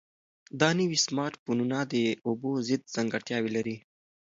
دا نوي سمارټ فونونه د اوبو ضد ځانګړتیاوې لري.